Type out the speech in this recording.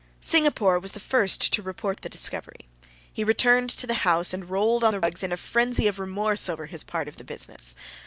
Singapore was the first to report the discovery. He returned to the house and rolled on the rugs in a frenzy of remorse over his part of the business.